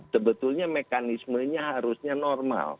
sebetulnya mekanismenya harusnya normal